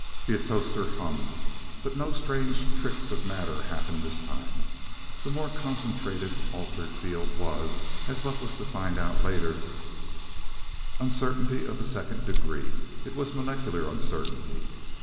The atostor hummed but no strange tricks of matter happened this time. The more concentrated, altered field was, as Buck was to find out later, "Uncertainty of the Second Degree." It was molecular uncertainty.